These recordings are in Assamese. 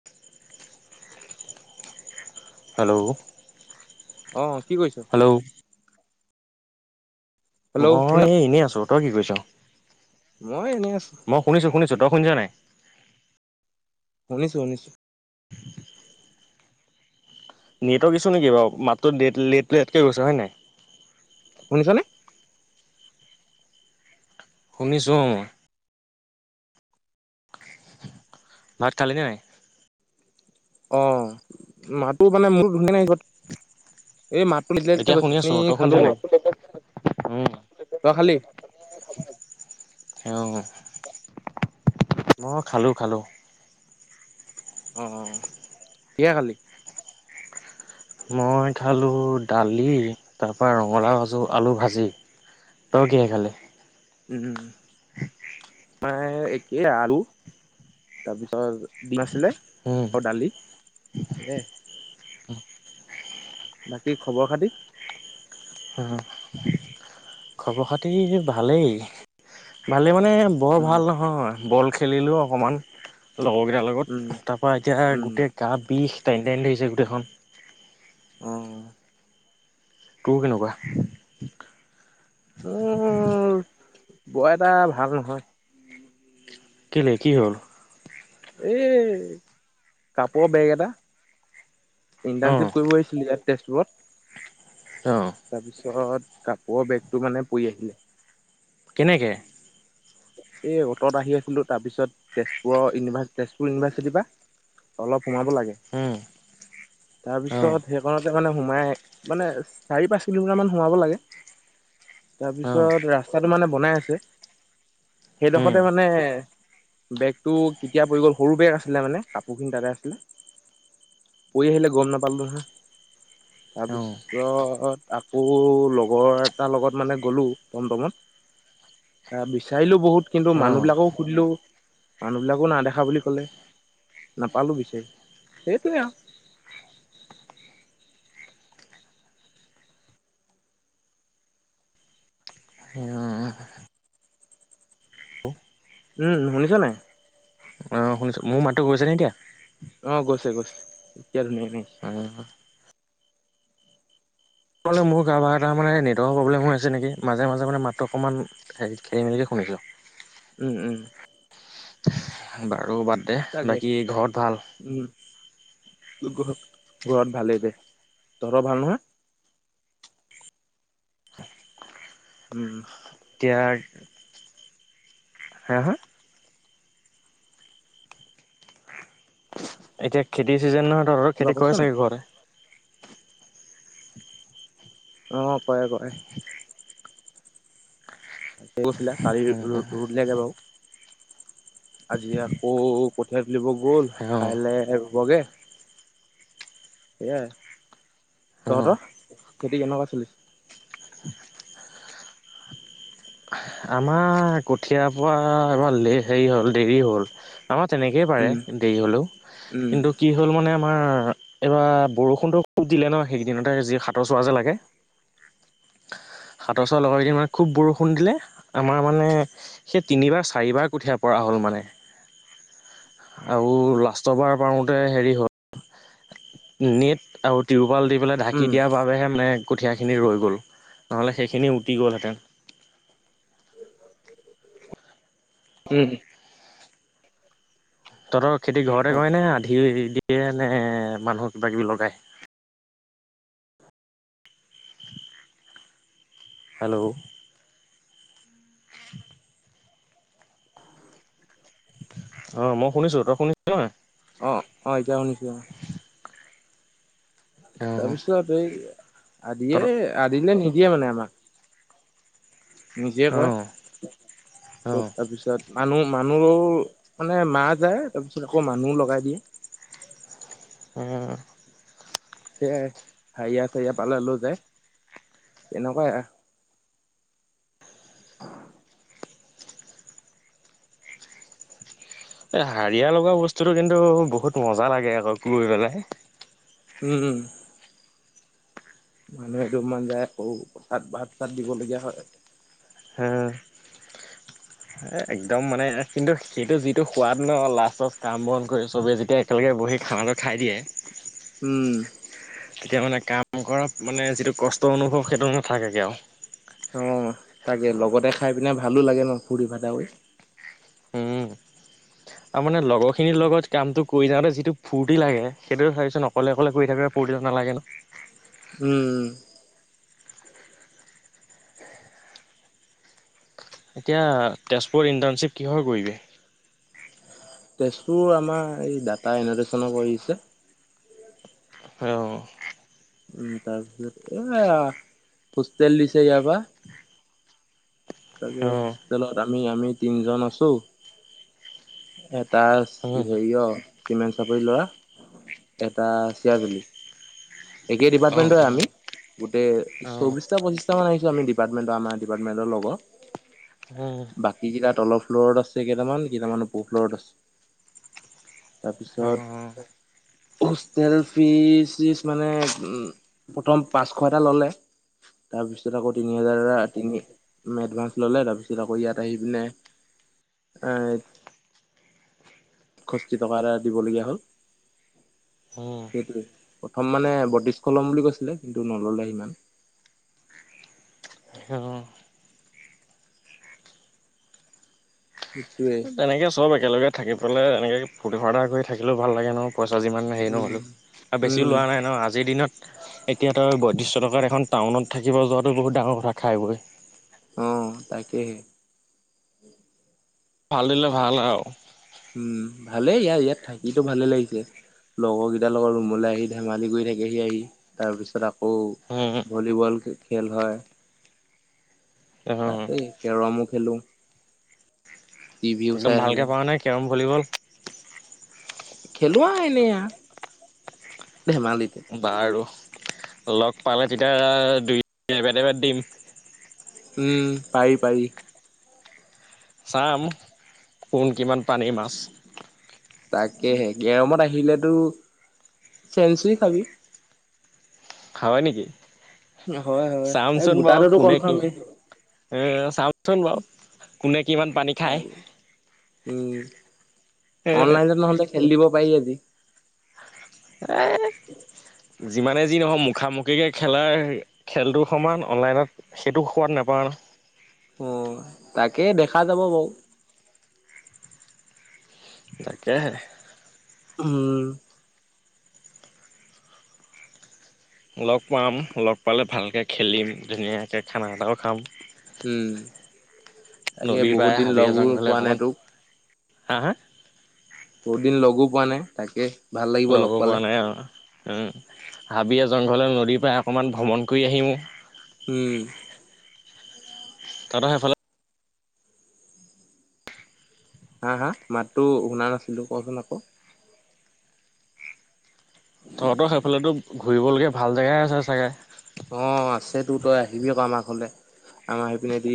[unintelligible] হেল্ল'। অ', কি কৰিছো? হেল্ল'। হেল্ল' মই শুনা এই এনেই আছো। তই কি কৰিছো? মই এনেই আছো। মই শুনিছো শুনিছো তই শুনিছ নাই। শুনিছো শুনিছো। [inaudible] নেটৱৰ্ক ইছু নেকি বাৰু মাতটো ডেট লেট কে গৈছে হয় নাই। শুনিছনে? শুনিছোঁ অ। ভাত খালিনে নাই? অ মাতো মানে মোৰ [unintelligible] এই মাতটো নিদিলে এতিয়া লিডিয়া শুনি গৈছে, আছো আমি তই শুনিছ খালো নাই বাও। তই খালি? অ', মই খালো খালো। অ', কিহে খালি? মই খালোঁ দালি তাৰ পৰা ৰঙালাও ভাজো আলু ভাজি। তই কিহে খালি? উম। আমৰ একেই আৰু তাৰপিছত দিম আছিলে। হম দালি, এ বাকী খবৰ খাতি? উম খবৰ খাতি ভালেই, ভালেই মানে বৰ উম ভাল নহয়, বল খে খেলিলোঁ অকণমান লগৰকেইটাৰ উম লগত, তাৰপৰা এতিয়া উম গোটেই গা বিষ টেনি টানি ধৰিছে গোটেইখন। উম। তোৰ কেনেকুৱা? মোৰ বৰ এটা ভাল নহয়! কেলে, কি হ'ল? এই কাপোৰৰ বেগ এটা, অ ইণ্টাৰ্ণশ্বিপ কৰিব আহিছিল ইয়াত। তেজপুৰত। অ। তাৰপিছত কাপোৱ বেগটো মানে পৰি আহিলে। কেনেকে? এই অটত আহি আছিলো তাৰপিছত তেজপুৰ ইউনিভাচ তেজপুৰ ইউনিভাৰ্চিটি পা। অলপ সোমাব লাগে। উম অ তাৰপিছত সেইকণতে মানে সোমাই মানে চাৰি পাঁচ কিলোমিটাৰ মান সোমাব লাগে। অ তাৰপিছত ৰাস্তাটো মানে বনাই আছে উম সেইডখতে মানে বেগটো কেতিয়া পৰি গ'ল সৰু বেগ আছিলে মানে কাপোৰখিনি তাতে আছিলে। পৰি আহিলে গম নাপালো লহয়, অ তাৰপিছ- ৰত আকৌ লগৰ এটাৰ লগত মানে গ'লো টমটমত। আহ বিচাৰিলো বহুত কিন্তু অ অ মানুহবিলাকো সুধিলো মানুহবিলাকো না দেখা বুলি ক'লে। নাপালো বিচাৰি সেইটোৱে আও। উম। [unintelligible] উম, শুনিছ নাই? অ শুনিছো। মোৰ মাতো গৈছে নে এতিয়া? অ গৈছে গৈছে এতিয়া ধুনীয়া [unintelligible] অ। তোমালোকে মোৰ কাৰোবাৰ এটা মানে নেটৱৰ্কৰ প্ৰব্লেম হৈ আছে নেকি মাজে মাজে মানে মাতটো অকণমান খেলি মেলিকে শুনিছো? উম উম। বাৰু বাদ দে তাকে বাকী ঘৰত ভাল? উম ঘ ঘৰত ভালেই দে। তহঁতৰ ভাল নহয়? [inaudible] উম। এতিয়াৰ হা হা? এতিয়া খেতিৰ ছিজন নহয় তহঁতৰ কিবা খেতি কৈছ কৰে নি চাগে ঘৰতে? অ কয় কয়। গৈছিলে কালি ৰু ৰু ৰুলেগে বাৰু আজি আকৌ কঠিয়া তুলিব গ'ল অ কাইলে ৰুবগে। সেয়াই অ তহঁতৰ খেতি কেনেকুৱা চলিছে। [inaudible] আমাৰ কঠিয়াৰ পৰা এবাৰ লে সেই হ'ল দেৰি হ'ল আমাৰ তেনেকেই পাৰে উম দেৰি হ'লেও উম কিন্তু কি হ'ল মানে আমাৰ এইবাৰ বৰষুণটো খুব দিলে ন, সেইকেইদিনতে যি হাতৰ চোৱা যে লাগে। হাতৰ চৰ লগৰ কেইদিন মানে খুব বৰষ- ষুণ দিলে আমাৰ মানে সেই তিনিবাৰ চাৰিবাৰ কুঠীয়া পৰা হ'ল মানে। আও লাষ্টবাৰ পাৰোতে হেৰি হ'ল নেট আউট তিৰোপাল দি পেলাই ঢাকি উম দিয়াৰ বাবেহে মানে কঠীয়াখিনি ৰৈ গ'ল, নহ'লে সেইখিনি উটি গ'লহেঁতেন। উমহু। তহঁতৰ খেতি ঘৰতে অ কৰেনে আধি দিয়ে নে মানুহ কিবাকিবি লগায়? হেল্ল'। অ মই শুনিছো তই শুনিছ নহয় অ অ এতিয়া শুনিছো অ তাৰ অঁ পিছত এই আদিয়ে তহঁতৰ আদিলে নিদিয়ে মানে আমাক নিজে কয় অঁ চব তাৰপিছত মানুহ মানুহো মানে মাহ যায় তাৰপিছত আকৌ মানুহ লগাই দিয়ে উম কে হাৰিয়া চাৰিয়া পালে লৈ যায় তেনেকুৱাই এই হাৰিয়া লগোৱা বস্তুটো কিন্তু বহুত মজা লাগে আকৌ গৈ পেলাই উম উম মানুহ এদোমমান যায় আৰু পথাত ভাত চাত দিবলগীয়া হয় হ এ একদম মানে কিন্তু সেইটো যিটো সোৱাদ ন লাষ্টত কাম বন কৰি চবে যেতিয়া তেওঁলোকে বহি খানাটো খাই দিয়ে উম তেতিয়া মানে কাম কৰা মানে যিটো কষ্ট অনুভৱ সেইটো নাথাকেগে আৰু। অ তাকে লগতে খাই পিনে ভালো লাগে ন ফুুৰ্তি ফৰ্টা কৰি। তাৰ মানে লগৰ খিনিৰ লগত কামটো কৰি যাওঁতে যিটো ফুৰ্তি লাগে সেইটো চাবিচোন অকলে অকলে কৰি থাকে বঢ়িয়া নালাগে ন উম উম এতিয়া তেজপুৰত ইন্টাৰ্ণশ্বিপ কিহৰ কৰিবি? তেজপুৰ আমাৰ এই ডাটা এনেডেচনৰ কৰি আছে হয় অ উম তাৰপিছত এয়া হোষ্টেল দিছে ইয়াৰ পৰা তাকে অ অ অ হোষ্টেলত আমি আমি তিনজন আছো। এতা আছে হেৰি অ চিমেণ্ট চাপৰি ল'ৰা এটা চিয়াজুলি একেই অ ডিপাৰ্টমেণ্টৱে আমি গোটেই অ চৌবিশটা, পচিছটা মান আহিছো আমি ডিপাৰ্টমেণ্টৰ আমাৰ ডিপাৰ্টমেণ্টৰ লগৰ বাকী কেইটাত তলৰ ফ্ল'ৰত আছে কেইটামান ওপৰ ফ্ল'ৰত আছে। তাৰপিছত হোষ্টেল ফিজ চিছ মানে উম প্ৰথম পাঁচশ এটা ল'লে তাৰপিছত আকৌ তিনি হাজাৰ এটা তিনি এডভান্স ললে তাৰ পিছত আকৌ ইয়াত আহি পিনে এ খষ্ঠি টকা এটা দিবলগীয়া হ'ল। অ সেইটোৱে প্ৰথম মানে বটিছশলম বুলি কৈছিলে কিন্তু নললে সিমান। অ অ সেইটোৱে তেনেকে চব একেলগে থাকি পেলাই এনেকে ফূৰ্তি ফাৰ্ত কৰি থাকিলেও ভাল লাগে ন পইচা যিমান হেৰি নহ'লো আৰু উম। বেছিও লোৱা নাই উম ন আজিৰ দিনত এতিয়া তই বটিছশ টকাত এখন টাউনত থাকিব যোৱাটো বহুত ডাঙৰ কথা খাই বৈ অ তাকেহে ভাল দিলে ভাল আৰু। উম ভালে ইয়াৰ ইয়াত থাকিতো ভালে লাগিছে। লগৰ কেইটাৰ লগৰ ৰুমলে আহি ধেমালি কৰি থাকেহি আহি তাৰ পিছত আকৌ উম ভলীবল খেল হয়। উম তাতেই কেৰমো খেলো। টিভিও একদম চাই থাকো। ভালকে কৰা নাই কেৰম ভলীবল খেলো আও এনে আ ধেমালিত বাৰু লগ পালে তেতিয়া দুই এবেত এবেত দিম উম পাৰি পাৰি চাম কোন কিমান পানীৰ মাছ তাকেহে কেৰমত আহিলেতো চেনচুৰি খাবি হয় নেকি হয় হয় এই চামচোন বাৰু গোটাতটো কোনে কি কনফাৰ্ম এ চাওচোন বাৰু কোনে কিমান পানী খায় উম এ অনলাইনত নহলে খেলি দিব পাৰি আজি এহ যিমানে যি নহওক মুখামুখিকে খেলাৰ খেলটোৰ সমান অনলাইনত সেইটো সোৱাদ নাপাও ন অ তাকে দেখা যাব বাও তাকেহে উম লগ পাম লগ পালে ভালকে খেলিম ধুনীয়াকৈ খানা এটাও খাম উম। তাকে নদীৰ বহুত পাৰে দিন হাবিয়ে লগো জংঘলে পোৱা নাই অকমান তোক হা হা বহুত দিন লগো পোৱা নাই তাকে ভাল লাগিব লগ পালে [unintelligible] উম হাবিয়ে জংঘলে নদী পায়ে অকণমান ভ্ৰমণ কৰি আহিম ওম উম তহতৰ হে ফালে হা হা মাততো শুনা নাছিলো কচোন আকৌ তহঁতৰ সেইফালেতো ঘূৰিবলগীয়া ভাল জেগাই আছে চাগে অ আছেতো তই আহিবি ক আমাৰ ঘৰলে আমাৰ এইপিনেদি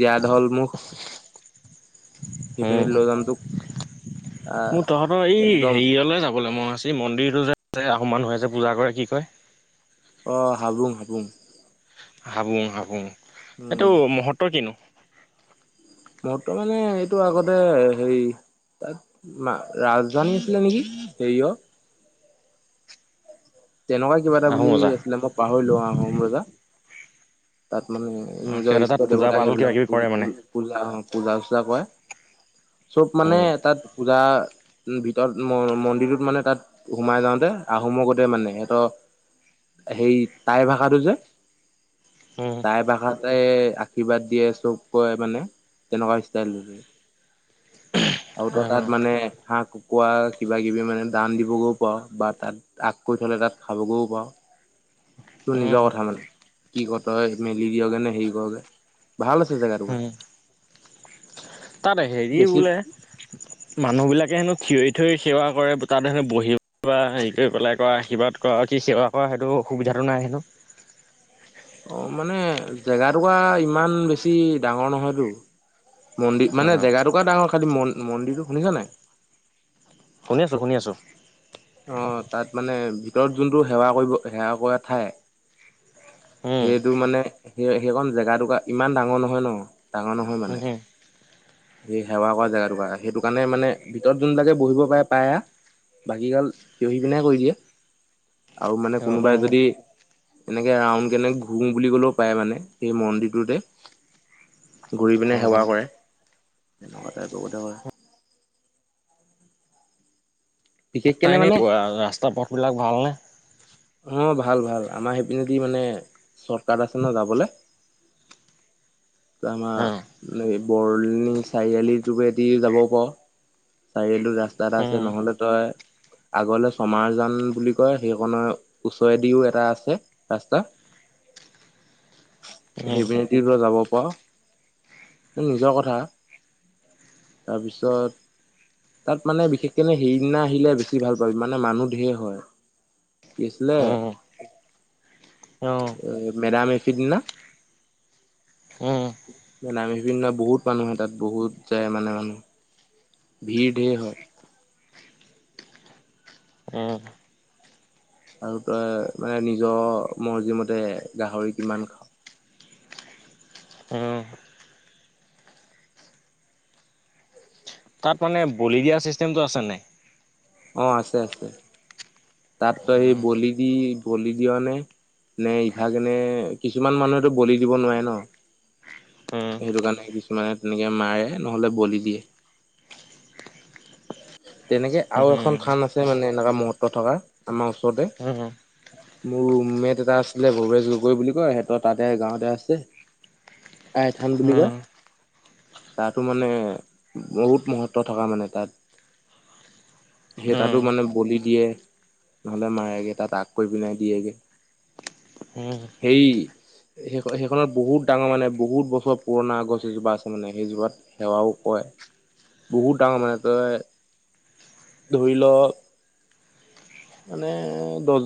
জীয়া ঢল মুখ [unintelligible] সিপিনে উম লৈ যাম তোক আহ মোৰ তহঁতৰ এই একদম হেৰিয়লে যাবলে মন আছে মন্দিৰটো যে আহোম মানুহে যে পূজা কৰে কি কয় অ হাবোং হাবোং হাবোং হাবোং এইটো উম মহত্ত কি নো মহত্ত মানে এইটো আগতে হেৰি তাত মা ৰাজধানী আছিলে নেকি হেৰিয় তেনেকুৱা কিবা এটা আহোম বুলি ৰজা আছিলে মই পাহৰিলো আহোম ৰজা তাত মানে অ নিজৰ সিহঁতে তাত ইষ্ট পূজা দেৱতাক পাতল কিবা সেইবিলাক কিবি পজ কৰে মানে। পজ পূজা হয় পূজা চজা কৰে চব মানে উম। তাত পূজা উম ভিতৰত ম মন্দিৰটোত মানে তাত সোমাই যাওঁতে আহোমক কতে মানে সেত সেই তাই ভাষাটো যে উম টাই ভাষাতে আৰ্শীবাদ দিয়ে চব কৰে মানে তেনেকুৱা ষ্টাইল আৰু তো অ তাত মানে হাঁহ কু কুৱা কিবা কিবি মানে দান দিবগৈও পাৱ বা তাত আগ কৰি থলে তাত খাবগৈও পাৱ [unintelligible] তোৰ নিজৰ উম কথা মানে কি কৰ তই? মেলি দিয়গে নে হেৰি কৰগে? ভাল আছে জেগাটুকুৰা। উম তাত হেৰি বেছি বোলে। মানুহবিলাকে হেনো থিয়ৰি থিয়ৰি সেৱা কৰে, তাত হেনো বহি [unintelligible] পেলাই কৰা আৰ্শীবাদ কৰা কি সেৱা কৰা সেইটো অসুবিধাটো নাই হেনো? অ' মানে জেগাটুকুৰা ইমান বেছি ডাঙৰ নহয়তো। মন্দিৰ অ মানে জেগাটুকুৰা ডাঙৰ, খালী ম মন্দিৰটো। শুনিছা নাই? শুনি আছোঁ, শুনি আছোঁ। অ', তাত মানে ভিতৰত যোনটো সেৱা কৰিব, সেৱা কৰা ঠাই উম সেইটো মানে সেই-সেইকণ জেগাটুকুৰা ইমান ডাঙৰ নহয় ন, ডাঙৰ নহয় মানে। উম সেই সেৱা কৰা জেগাটুকুৰা সেইটো কাৰণে মানে ভিতৰত যোনবিলাকে বহিব পাই, পায় আ। বাকীগাল থিয় হৈ কেনে কৰি দিয়ে। আৰু মানে অ কোনোবাই যদি অ এনেকে ৰাউণ্ড কেনে ঘুমি বুলি ক'লেও পায় মানে সেই মন্দিৰটোতে। ঘূৰিপিনে সেৱা অ কৰে, তেনেকুৱা টাইপৰগতে কৰে। তাৰ বিশেষকেনে এনে মানে ৰাস্তা-পথবিলাক ভালনে? অ', ভাল ভাল, আমাৰ সেইপিনেদি মানে চৰ্তকাত আছে ন যাবলে। [inaudible] অ। [unintelligible] বৰণি চাৰিআলি [unintelligible] যাব পাৰা। চাৰিআলিটো ৰা তাত আছে উম নহলে তই আগলে ছমাৰজান বুলি কয় সেইকনৰ ওচৰেদিও এটা আছে ৰাস্তা। উম সেই যাব পাৰ তোৰ নিজৰ কথা। তাৰপিছত? তাত মানে বিশেষকে হেৰিদিনা আহিলে বেছি ভাল পাবি মানে মানুহ ধেৰ হয়। কি আছিলে? অঁ। মেডাম-মেফি দিনা। উম। মেডাম-মেফি দিনা বহুত মানুহ হয়, তাত বহুত যায় মানে মানুহ। ভিৰ ধেৰ হয়। অঁ। আৰু তই মানে নিজৰ মৰ্জিমতে গাহৰি কিমান খাৱ। অঁ। তাত মানে বলি দিয়া চিষ্টেমটো আছেনে নাই? অ' আছে, আছে। তাত তই সেই উম বলি দি, বলি দিয় নে? নে ইভাগলে, কিছুমান মানুহেতো বলি দিব নোৱাৰে ন? উম সেইটো কাৰণে কিছুমানে তেনেকে মাৰে, নহ'লে বলি দিয়ে। তেনেকে উম আৰু এখন থান আছে মানে, এনেকুৱা মহত্ত থকা, আমাৰ ওচৰতে। উম মোৰ ৰুমমেট এটা আছিলে, ভৱেশ গগৈ বুলি কয়। সিহঁতৰ তাতে গাঁৱতে আছে। আই থান বুলি কয়। উম তাতো মানে বহুত মহত্ব থকা, মানে তাত। সেই তাতো উম, মানে বলি দিয়ে, নহলে মাৰেগে। তাত আগ কৰি পিনে দিয়েগে। উম। সেই সেই-সেইখনত বহুত ডাঙৰ মানে বহুত বছৰ পুৰণা গছ এজোপা আছে। মানে সেইজোপাত সেৱাও কয় বহুত ডাঙৰ মানে তই ধৰি লওক মানে দহজন